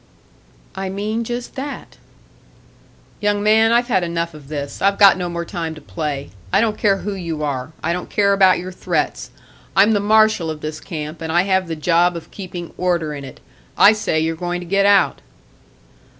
"I mean just that." "Young man, I've had enough of this! I've got no more time to play. I don't care who you are, I don't care about your threats. I'm the marshal of this camp, and I have the job of keeping order in it. I say you're going to get out!"